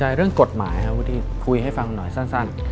ที่โบสถ์หมายคุยให้ฟังหน่อยสั้น